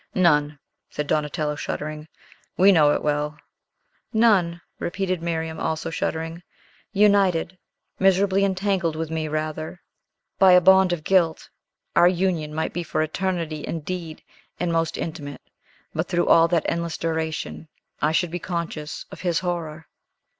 "None," said Donatello, shuddering. "We know it well." "None," repeated Miriam, also shuddering. "United miserably entangled with me, rather by a bond of guilt, our union might be for eternity, indeed, and most intimate; but, through all that endless duration, I should be conscious of his horror."